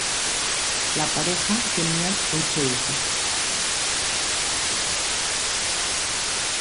La pareja tenía ocho hijos.